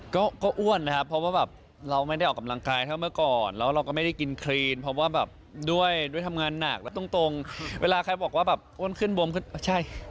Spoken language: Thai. ก็อ้วนนะครับเพราะว่าแบบเราไม่ได้ออกกำลังกายถ้าเมื่อก่อนแล้วเราก็ไม่ได้กินครีนเพราะว่าแบบด้วยทำงานหนักแล้วตรงเวลาใครบอกว่าแบบอ้วนขึ้นบวมขึ้นใช่